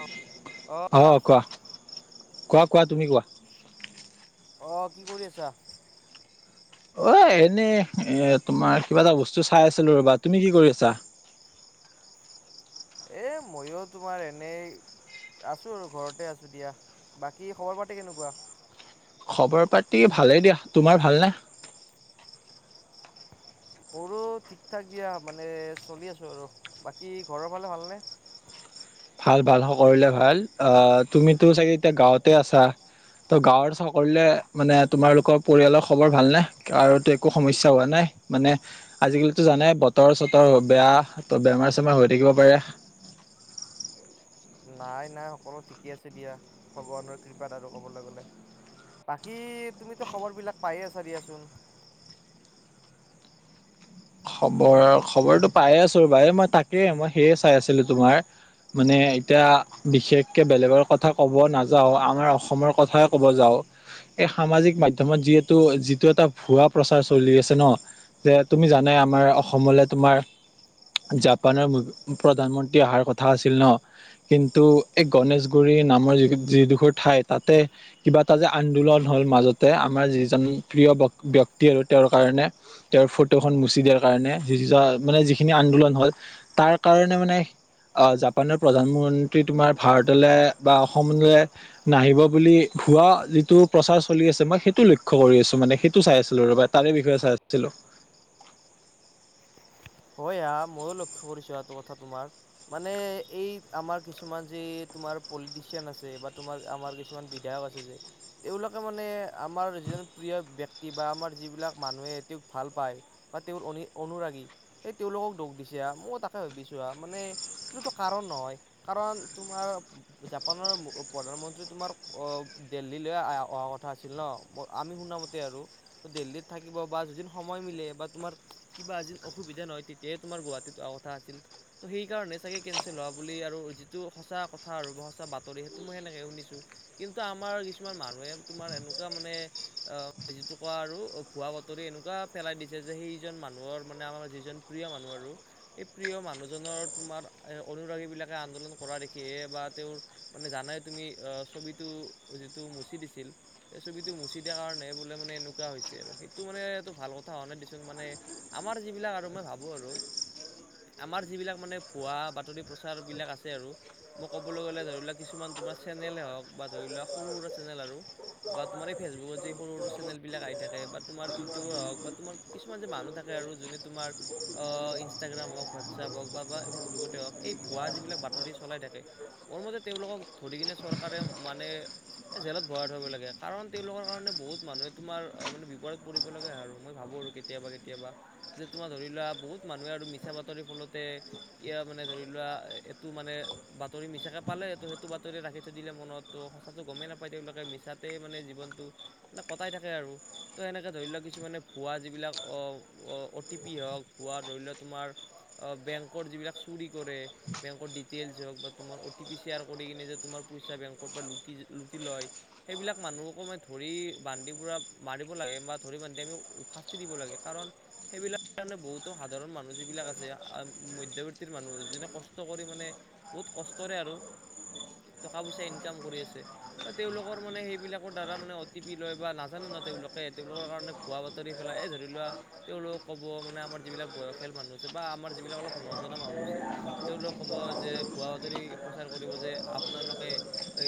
অ, অ, কোৱা। কোৱা-কোৱা তুমি কোৱা। অহ, কি কৰি আছা? অ, এনেই এ তোমাৰ কিবা এটা বস্তু চাই আছিলো ৰ'বা, তুমি কি কৰি আছা? [inaudible] এ ময়ো তোমাৰ এনেই আছো আৰু ঘৰতে আছো দিয়া বাকী খবৰপাতি কেনেকুৱা? খবৰ-পাতি ভালেই দিয়া, তোমাৰ ভালনে? [inaudible] ঠিক-ঠাক দিয়া মানে চলি আছো আৰু, বাকী ঘৰৰ ফালে ভালনে? ভাল ভাল সকলোলে ভাল আহ, তুমিতো চাগে এতিয়া গাঁৱতে আছা? ত' গাঁৱত সকলোলে মানে তোমাৰলোকৰ পৰিয়ালৰ খবৰ ভাল নে? আৰুটো একো সমস্যা হোৱা নাই? মানে আজিকালিতো জানায়ে বতৰ-চতৰ বেয়া ত' বেমাৰ-চেমাৰ হৈ থাকিব পাৰে। [unintelligible] নাই নাই সকলো ঠিকেই আছে দিয়া ভগৱানৰ কৃপাত আৰু ক'বলৈ গ'লে। বাকী তুমিতো খবৰ বিলাক পায়ে আছা দিয়াচোন। [inaudible] খবৰ খবৰটো পাইয়ে আছো ৰ'বা মই তাকে মই সেয়ে চাই আছিলো তোমাৰ মানে এতিয়া বিশেষকে বেলেগৰ কথা ক'ব নাযাওঁ আমাৰ অসমৰ কথাই ক'ব যাওঁ এই সামাজিক মাধ্যমত যিহেতু যিটো এটা ভুৱা প্ৰচাৰ চলি আছে ন দে তুমি জানে আমাৰ অসমলৈ তোমাৰ জাপানৰ প্ৰধানমন্ত্ৰী অহাৰ কথা আছিল ন' কিন্তু এই গণেশগুৰি নামৰ যি যিডোখৰ ঠাই তাতে কিবা এটা যে আন্দোলন হ'ল মাজতে আমাৰ যিজন প্ৰিয় ব্য ব্যক্তি আৰু তেওঁৰ কাৰণে তেওঁৰ ফটোখন মুছিদিয়াৰ কাৰণে [unintelligible] মানে যিখিনি আন্দোলন হ'ল তাৰ কাৰণে মানে জাপানৰ প্ৰধানমন্ত্ৰী তোমাৰ ভাৰতলৈ বা অসমলৈ নাহিব বুলি ভুৱা যিটো প্ৰচাৰ চলি আছে মই সেইটো লক্ষ্য কৰি আছো মানে সেইটো চাই আছিলো ৰ'বা তাৰে বিষয়ে চাই আছিলো। [inaudible] হয় আ ময়ো লক্ষ্য কৰিছো এটো কথা তোমাৰ মানে এই আমাৰ কিছুমান যে তোমাৰ পলিটিচিয়ান আছে বা তোমাৰ আমাৰ কিছুমান বিধায়ক আছে যে, তেওঁলোকে মানে আমাৰ যিজন প্ৰিয় ব্যক্তি বা আমাৰ যিবিলাক মানুহে তেওঁক ভাল পায় বা তেওঁৰ অনি অনুৰাগী এই তেওঁলোকক দুখ দিছে আ ময়ো তাকে ভাবিছো আহ মানে এইটোতো কাৰণ নহয় কাৰণ তোমাৰ জাপানৰ প্ৰধানমন্ত্ৰী তোমাৰ অ' দিল্লী লৈ অহা কথা আছিল ন' আমি শুনা মতে আৰু দিল্লীত থাকিব বা যদিন সময় মিলে বা তোমাৰ কিবা যে সুবিধা নহয় তেতিয়াহে তোমাৰ গুৱাহাটীত অহা কথা আছিল ত' সেই কাৰণে চাগে কেনচেল হোৱা বুলি আৰু যিটো সচা কথা আৰু সঁচা বাতৰি সেইটো মই সেনেকে শুনিছো কিন্তু আমাৰ কিছুমান মানুহে তোমাৰ এনেকুৱা মানে যিটো কোৱা আৰু ভুৱা বাতৰি এনেকুৱা ফেলাই দিছে যে সেইজন মানুহৰ মানে আমাৰ যিজন প্ৰিয় মানুহ আৰু সেই প্ৰিয় মানুহজনৰ তোমাৰ অনুৰাগীবিলাকে আন্দোলন কৰা দেখি বা তেওঁৰ মানে জানাই তুমি অ' ছবিটো যিটো মচি দিছিল সেই ছবিটো মুচি মুচি দিয়াৰ কাৰণে বোলে মানে এনেকুৱা হৈছে আৰু সেইটো মানে এইটো ভাল কথা হোৱা নাই দিয়াচোন মানে আমাৰ যিবিলাক মই ভাবো আৰু আমাৰ যিবিলাক মানে ভুৱা বাতৰি প্ৰচাৰবিলাক আছে আৰু মই ক'বলৈ গ'লে ধৰি লোৱা কিছুমান তোমাৰ চেনেলেই হওঁক বা ধৰি লোৱা সৰু-সুৰা চেনেল আৰু বা তোমাৰ এই ফেচবুকত যি সৰু সৰু চেনেল বিলাক আহি থাকে বা তোমাৰ ইউটিউবৰ হওঁক বা তোমাৰ কিছুমান যে মানুহ থাকে আৰু যোনে তোমাৰ ইনষ্টাগ্ৰাম হওঁক হোৱাটছআপ হওঁক বা ফেচবুকতে হওঁক এই ভুৱা যিবিলাক বাতৰি চলাই থাকে থাকে মোৰ মতে তেওঁলোকক ধৰি কিনে চৰকাৰে মানে জেলত ভৰাই থব লাগে কাৰণ তেওঁলোকৰ কাৰণে বহুত মানুহে তোমাৰ মানে বিপদত পৰিব লাগে, আৰু মই ভাবো কৰো কেতিয়াবা কেতিয়াবা। যে তোমাৰ ধৰি লোৱা বহুত মানুহে আৰু মিছা বাতৰিৰ ফলতে য়াৰ মানে ধৰি লোৱা এইটো মানে বাতৰি মিছাকে পালে ত' সেইটো বাতৰি ৰাখি থৈ দিলে মনত ত' সঁচাটো গমেই নাপায় তেওঁলোকে মিছাতে মানে জীৱ জীৱনটো মানে কটাই থাকে আৰু ত' সেনেকে ধৰি লোৱা কিছুমানে ভুৱা যিবিলাক অ' অ' টি পি হওঁক বোৱা ধৰি লোৱা তোমাৰ বেংকৰ যিবিলাক চুৰি কৰে বেংকৰ ডিটেইলছ হওঁক বা তোমাৰ অ টি পি ছেয়াৰ কৰি কিনে যে তোমাৰ পইচা বেংকৰ পৰা লুটি লয় সেইবিলাক মানুহকো ধৰি বান্ধি পুৰা মাৰিব লাগে বা ধৰি বান্ধি আমি সাস্তি দিব লাগে কাৰণ সেইবিলাক সেইকাৰণে বহুতো মানুহ যিবিলাক আছে মধ্যৱৰ্তীৰ মানুহ যোনে কষ্ট কৰি মানে বহুত কষ্টৰে আৰু। টকা পইচা ইনকাম কৰি আছে বা তেওঁলোকৰ মানে সেইবিলাকৰ দ্বাৰা মানে অ টি পি লয় বা নাজানো না তেওঁলোকে তেওঁলোকৰ কাৰণে ভুৱা বাতৰি পেলাই এই ধৰি লোৱা তেওঁলোক ক'ব মানে আমাৰ যিবিলাক বয়সীয়াল মানুহ আছে বা আমাৰ যিবিলাক অলপ নজনা মানুহ আছে তেওঁলোক ক'ব যে ভুৱা বাতৰি প্ৰচাৰ কৰিব যে আপোনালোকে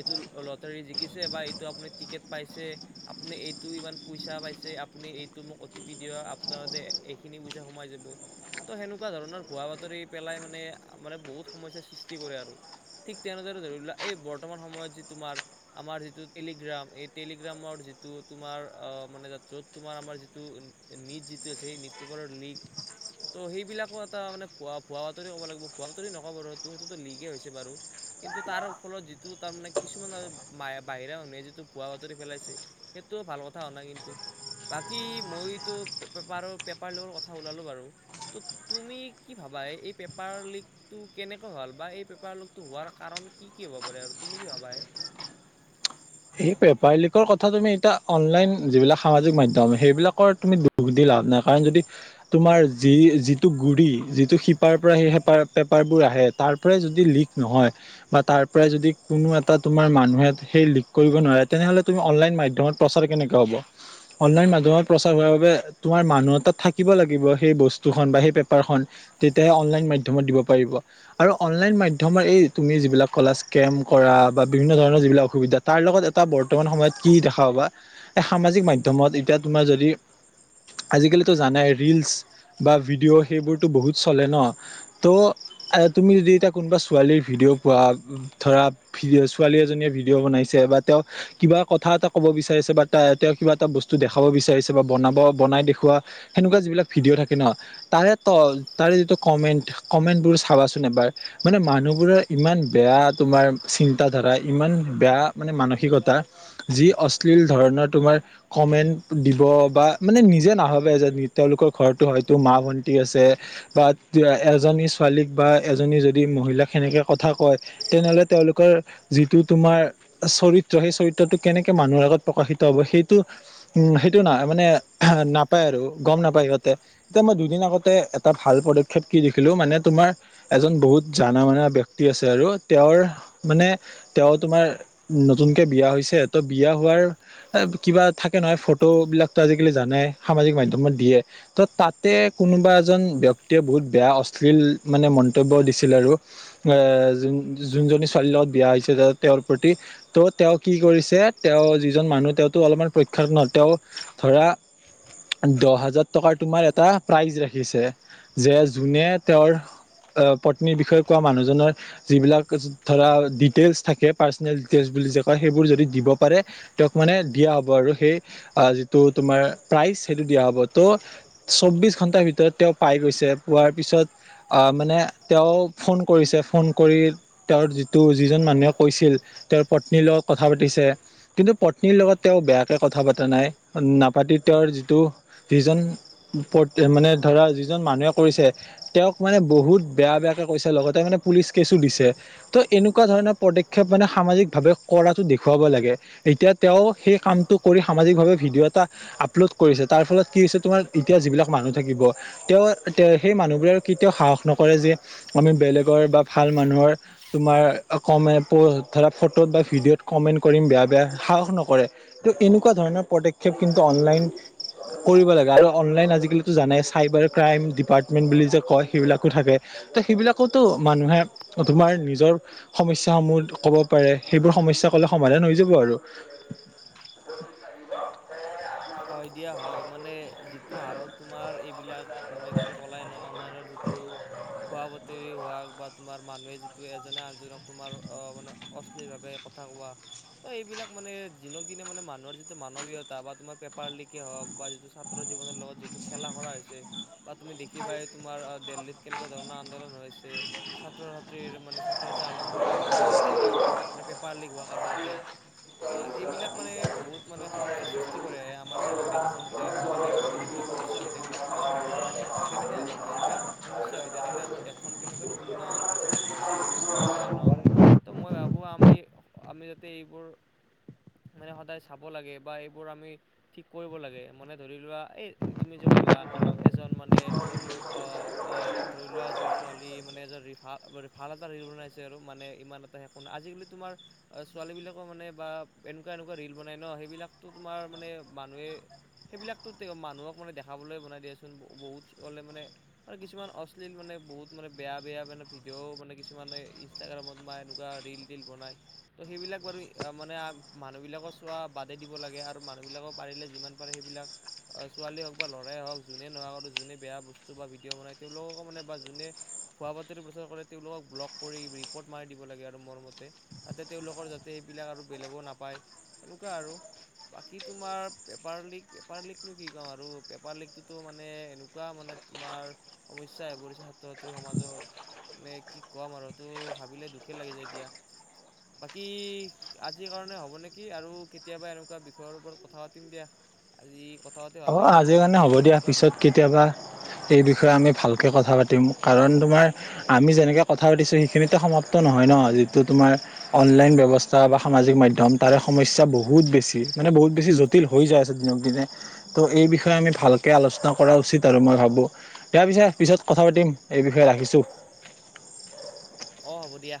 এইটো লটাৰী জিকিছে বা এইটো আপুনি টি টিকেট পাইছে আপুনি এইটো ইমান পইচা পাইছে আপুনি এইটো মোক অ' টি পি দিয়ক আপোনাৰতে এইখিনি পইচা সোমাই যাব ত' সেনেকুৱা ধৰণৰ ভুৱা বাতৰি পেলাই মানে মানে বহুত সমস্যা সৃ সৃষ্টি কৰে আৰু। ঠিক তেনেদৰে ধৰি লোৱা এই বৰ্তমান সময়ত যি তোমাৰ আমাৰ যিটো টেলিগ্ৰাম এই টেলিগ্ৰামৰ যি যিটো তোমাৰ অহ মানে য'ত তোমাৰ আমাৰ যিটো নীট দিটৈল আছে সেই নীট পেপাৰৰ লীক ত' সেইবিলাকো এটা মানে ভুৱ ভুৱা বাতৰি ক'ব লাগিব ভুৱা বাতৰি নক'বটো সেইটোতো লিকেই হৈছে বাৰু। কিন্তু তাৰ ফলত যিটো তাৰ মানে কিছুমান বাহিৰা মানুহে যিটো ভুৱা বাতৰি পেলাইছে সেই তো ভাল কথা হোৱা নাই কিন্তু বাকী মইতো পাৰ পেপাৰ লিকৰ কথা ওলালোঁ বাৰু তো তুমি কি ভাবা এই পেপাৰ লিকটো কেনেকৈ হয়? বা এই পেপাৰ লকটো হোৱাৰ কাৰণ কি কি হ'ব পাৰে আৰু তুমি কি ভাবা এ [inaudible] এই পেপাৰ লিকৰ কথা তুমি এতিয়া অনলাইন যিবিলাক সামাজিক মাধ্যম সেইবিলাকৰ তুমি দুখ দিলা। নাই কাৰণ যদি তোমাৰ যি যিটো গুৰি যিটো শিপাৰ পৰা সেই পেপাৰ পেপাৰ বোৰ আহে তাৰ পৰাই যদি লিক নহয় বা তাৰ পৰাই যদি কোনো এটা তোমাৰ মানুহে সেই লিক কৰিব নোৱাৰে তেনেহ'লে তুমি অনলাইন মাধ্যমত প্ৰচাৰ কেনেকে হ'ব অনলাইন মাধ্যমত প্ৰচাৰ কৰাৰ বাবে আমাৰ মানুহৰ তাত থাকিব লাগিব সেই বস্তুখন বা সেই পেপাৰখন তেতিয়াহে অনলাইন মাধ্যমত দিব পাৰিব। আৰু অনলাইন মাধ্যমত এই তুমি যিবিলাক কলা স্কেম্ কৰা বা বিভিন্ন ধৰণৰ যিবিলাক অসুবিধাত তাৰ লগত এটা বৰ্তমান সময়ত কি দেখা পাবা এই সামাজিক মাধ্যমত এতিয়া তোমাৰ যদি আজিকালিতো জানাই ৰিলচ বা ভিডিঅ' সেইবোৰতো বহুত চলে ন ত' তুমি যদি এতিয়া কোনোবা ছোৱালীৰ ভিডিঅ' পোৱা ধৰা ভিডিঅ ছোৱালী এজনীয়ে ভিডিঅ' বনাই বা তেওঁ কিবা কথা এটা ক'ব বিচাৰিছে বা তেওঁ কিবা এটা বস্তু দেখাব বিচাৰিছে বা বনাব নাই দেখুওৱা সেনেকুৱা যিবিলাক ভিডিঅ থাকে নহ তাৰে যিটো কমেন্ট কমেন্টবোৰ ভাবাচোন এবাৰ মানে মানুহবোৰৰ ইমান বেয়া তোমাৰ চিন্তাধাৰা ইমান বেয়া মানে মানসিকতা যি অশ্লীল ধৰণৰ তোমাৰ কমেণ্ট দিব বা মানে নিজে নাভাবে এ যে তেওঁলোকৰ ঘৰতো হয়তো মা ভন্টি আছে বা এজনী ছোৱালীক বা এজনী যদি মহিলাক সেনেকে কথা কয় তেনেহ'লে তেওঁলোকৰ যিটো তোমাৰ চৰিত্ৰ সেই চৰিত্ৰটো কেনেকে মানুহৰ আগত প্ৰকাশিত হ'ব সেইটো উম সেইটো নাই মানে নাপায় আৰু গম নাপায় সিহঁতে এতিয়া মই দুদিন আগতে এটা ভাল পদক্ষেপ কি দেখিলো মানে তোমাৰ তোমাৰ এজন বহুত জানা মনা ব্যক্তি আৰু তেওঁৰ মানে তেওঁ তোমাৰ নতুনকে বিয়া হৈছে ত' বিয়া হোৱাৰ কিবা থাকে নহয় ফটো বিলাকতো আজিকালি জানে নে সামাজিক মাধ্যমত দিয়ে ত' তাতে কোনোবা এজন ব্যক্তিয়ে বহুত বেয়া অশ্লীল মানে মন্তব্য দিছিল আৰু জোন জোনজনী ছোৱালীৰ লগত বিয়া হৈছে তেওঁৰ প্ৰতি ত' তেওঁ কি কৰিছে তেওঁ যিজন মানুহ তেওঁতো অলপমান প্ৰখ্যাত নহয় তেওঁ ধৰা দহ হাজাৰ টকাৰ তোমাৰ এটা প্ৰাইজ ৰাখিছে যে জোনে তেওঁৰ অ' পত্নীৰ বিষয়ে কোৱা মানুহজনৰ যিবিলাক ধৰা ডিটেইলচ থাকে। পাৰ্চনেল ডিটেইলছ বুলি যে কয় সেইবোৰ যদি দিব পাৰে তেওঁক মানে দিয়া হ'ব আৰু সেই যিটো তোমাৰ প্ৰাইজ সেইটো দিয়া হ'ব ত' চৌব্বিছ ঘণ্টাৰ ভিতৰত তেওঁ পাই গৈছে পোৱাৰ পিছত অ' মানে তেওঁ ফোন কৰিছে ফোন কৰি তেওঁৰ যিটো যিজন মানুহে। কৈছিল তেওঁৰ পত্নীৰ লগত কথা পাতিছে কিন্তু পত্নীৰ লগত তেওঁ বেয়াকে কথা পতা নাই। নাপাতি তেওঁৰ যিটো যিজন মানে ধৰা যিজন মানুহে কৰিছে তেওঁক মানে বহুত বেয়া বেয়াকে কৈছে লগতে মানে পুলিচ কেচো দিছে ত' এনেকুৱা ধৰণৰ পদক্ষেপ মানে সামাজিকভাৱে কৰাটো দেখুৱাব লাগে এতিয়া তেওঁ সেই কামটো কৰি সামাজিকভাৱে ভিডিঅ'এটা অপলট কৰিছে তাৰফলত কি হৈছে তোমাৰ এতিয়া যিবিলাক মানুহ থাকিব তেওঁ অ' সেই মানুহবোৰ কেতিয়াও সাহস নকৰে যে আমি বেলেগৰ বা ভাল মানুহৰ তোমাৰ কমেন্ট প ধৰা ফটোত বা ভিডিঅ'ত কমেণ্ট কৰিম বেয়া বেয়া সাহস নকৰে তো এনেকুৱা ধৰণৰ পদক্ষেপ কিন্তু অনলাইন। কৰিব লাগে আৰু অনলাইন আজিকালিতো জানাই চাইবাৰ ক্ৰাইম ডিপাৰ্টমেন্ট বুলি যে কয় সেইবিলাকো থাকে। ত' সেইবিলাকতো মানুহে তোমাৰ নিজৰ সমস্যাসমূহ ক'ব পাৰে। সেইবোৰ সমস্যা ক'লে সমাধান হৈ যাব আৰু। [unintelligible] হয় দিয়া হয়। মানে যিটো হাৰত তোমাৰ এইবিলাক মানে তুমি কলাই ন' অনলাইনৰ যি টো খোৱা ব হ বা তোমাৰ মানুহে যিটো এজনে আনজনক তোমাৰ অ মানে অশ্লীলভাৱে কথা কোৱা। ত এইবিলাক মানে দিনক দিনে মানে মানুহৰ যিটো মানৱীয়তা বা তোমাৰ পাব্লিকে হ‌ওক বা যিটো ছাত্ৰ জীৱনৰ লগত যিটো খেলা কৰা হৈছে বা তুমি দেখিবাই তোমাৰ আহ দেহ দিল্লীত কেনেকুৱা ধৰণৰ আন্দোলন হৈছে ছাত্ৰ-ছাত্ৰীৰ মানে ছাত্ৰ-ছাত্ৰীয়ে আ-আন্দোলন কৰিছে এই মানে পেপাৰ লিক হোৱা কাৰণতে ত' এইবিলাক মানে বহুত মানে সমস্যাৰ সৃষ্টি কৰে। তোমাৰ দেশখনতে মানে দেশখনত এইবিলাক সমস্যা হৈ থাকিলে তোমাৰ কেনেকুৱা হ'ব নো এইবিলাক সমস্যা হৈ থাকিলে আমাৰ দেশখন কেনেকৈনো উন্নয়নৰ পথত আগবাঢ়ি যাব ন নাবা ন? ত' মই ভাবো আমি আমি যাতে এইবোৰ মানে সদায় চাব লাগে বা এইবোৰ আমি ঠিক কৰিব লাগে। মানে ধৰি লোৱা এ তুমি যে ক'লা এজন মানে অ', অ', ধৰি লোৱা এজন ছোৱালী মানে এজন ৰিল ভাল এটা ৰিল বনাইছে আৰু মানে [unintelligible] আজি-কালি তোমাৰ ছোৱালী বিলাক মানে বা এনেকুৱা এনেকুৱা ৰিল বনাই ন' সেইবিলাকো তোমাৰ তোমাৰ মানে মানুহে সেইবিলাকোটো মানুহক মানে দেখাবলৈ বনাই দিয়াচোন, বহুত কলে মানে। আৰু কিছুমান অশ্লীল মানে বহুত মানে বেয়া বেয়া মানে ভিডিঅ' মানে কিছুমানে ইনষ্টাগ্ৰামত বা এনেকুৱা ৰিল তিল বনাই। সেইবিলাক বাৰু মানে মানুহবিলাকো চোৱা বাদে দিব লাগে আৰু মানুহবিলাকক পাৰিলে যিমান পাৰে সেইবিলাক ছোৱালী হওক বা ল'ৰাই হওক যোনে নহওক আৰু যোনে বেয়া বস্তু বা ভিডিঅ' বনাই তেওঁলোককো মানে বা যোনে ভুৱা বাতৰি প্ৰচাৰ কৰে তেওঁলোকক ব্লক কৰি ৰিপৰ্ট মাৰি দিব লাগে আৰু মোৰ মতে। তাতে তেওঁলোকৰ যাতে এইবিলাক আৰু বেলেগো নাপায়। এনেকুৱা আৰু। বাকী তোমাৰ পেপাৰ লিক, পেপাৰ লিকনো কি কম আৰু পেপাৰ লিকটোতো মানে এনেকুৱা মানে তোমাৰ সমস্যাই পৰিছে ছাত্ৰ-ছাত্ৰীৰ সমাজত। নে কি কম আৰু তো ভাবিলে দুখে লাগি যাই এতিয়া। বাকী আজিৰ কাৰণে হ'ব নেকি আৰু কেতিয়াবা এনেকুৱা বিষয়ৰ ওপৰত কথা পা টিম দিয়া আজি কথা পাতি ভাল অ', লাগিল দিয়া আজিৰ কাৰণে মানে হ'ব দিয়া। এনেকুৱা বিষ পিছত কেতিয়াবা এই বিষয়ে আমি ভাল কথা পাতিম, কাৰণ তোমাৰ আমি যেনেকৈ কথা পাতিছোঁ সেইখিনিতেো সমাপ্ত নহয় ন যিটো তোমাৰ অনলাইন ব্যৱস্থা বা সামাজিক মাধ্যম তাৰে সমস্যা বহুত বেছি, মানে বহুত বেছি জটিল হৈ যায়। [unintelligible] ত' এই বিষয়ে আমি ভালকে আলোচনা কৰা উচিত আৰু মই ভাবো। দিয়া পিছে পিছত কথা পাতিম এই বিষয়ে। ৰাখিছোঁ। অ', হ'ব দিয়া।